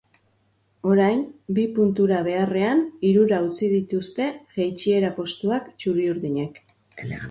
Orain, bi puntura beharrean hirura utzi dituzte jaitsiera postuak txuri-urdinek.